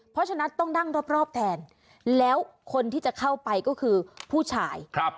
เพราะฉะนั้นต้องนั่งรอบแทนแล้วคนที่จะเข้าไปก็คือผู้ชาย